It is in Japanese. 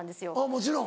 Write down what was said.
もちろん。